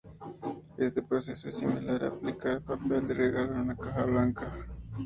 Este proceso es similar a aplicar papel de regalo a una caja blanca.